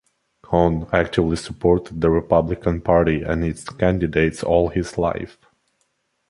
Conn actively supported the Republican Party and its candidates all his life.